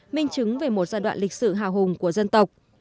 minh chứng về một giai đoạn lịch sử hào hùng của dân tộc